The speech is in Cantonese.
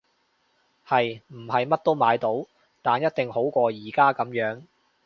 係！唔係乜都買到，但一定好過而家噉樣